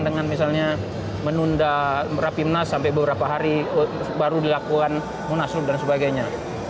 dengan misalnya menunda rapi menas sampai beberapa hari baru dilakukan munasulup dan sebagainya